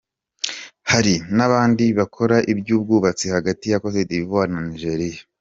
Hari n’abandi bakora iby’ubwubatsi hagati ya Côte d’Ivoire na Nigeria.